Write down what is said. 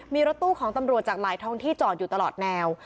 มีรถตู้ของตำรวจจากหลายท้องที่จอดอยู่ตลอดแนว